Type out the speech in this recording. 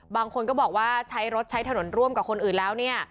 บางคนก็บอกว่าใช้รถใช้ถนนร่วมกับคนอื่นแล้วเนี่ย